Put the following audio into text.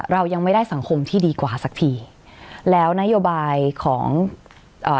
เรายังไม่ได้สังคมที่ดีกว่าสักทีแล้วนโยบายของเอ่อ